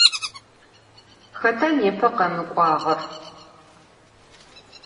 Xeta nêpe khemık'uağer?